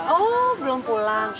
oh belum pulang